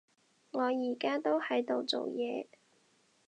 我而家都喺度做嘢